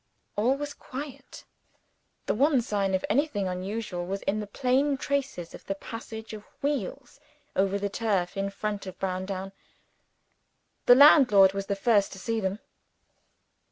All was quiet. The one sign of anything unusual was in the plain traces of the passage of wheels over the turf in front of Browndown. The landlord was the first to see them.